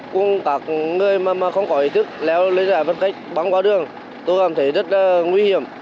cùng các người mà không có ý thức léo lấy giải phân cách băng qua đường tôi cảm thấy rất nguy hiểm